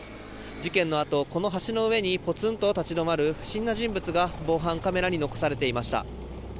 事件のあとこの橋の上にポツンと立ち止まる不審な人物が防犯カメラに残されていました。